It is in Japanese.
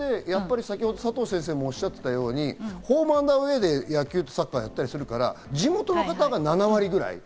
佐藤先生がおっしゃっていたようにホーム＆アウェーで野球とサッカーはやったりするから、地元の方が７割ぐらい。